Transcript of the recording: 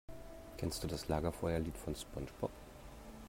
Kennst du das Lagerfeuerlied von SpongeBob?